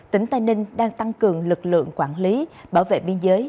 tỉnh tây ninh đang tăng cường lực lượng quản lý bảo vệ biên giới